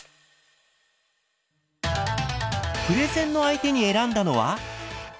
プレゼンの相手に選んだのは。